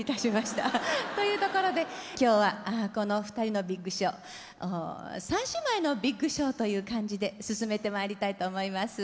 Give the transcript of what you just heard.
というところで今日はこの「ふたりのビッグショー」「３姉妹のビッグショー」という感じで進めてまいりたいと思います。